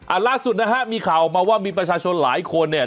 ล่าสุดนะฮะมีข่าวออกมาว่ามีประชาชนหลายคนเนี่ย